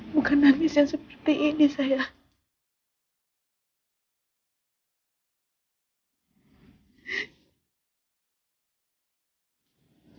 bukan nangis yang seperti ini sayang